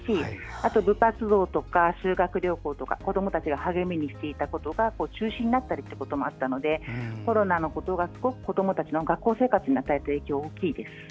あと、部活動とか修学旅行とか子どもたちが励みにしていたことが中止になったこともあったのでコロナのことがすごく子どもたちの学校生活に与える影響は大きいです。